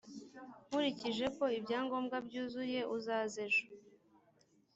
nkurikije ko ibyangombwa byuzuye uzaze ejo.